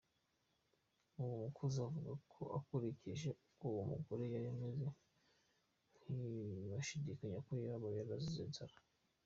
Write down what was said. Uwo mukozi avugako ukurikije uko uwo mugore yari ameze ntiwashidikanyako yaba yarazize inzara.